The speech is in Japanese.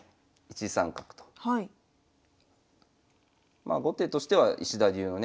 まあ後手としては石田流のね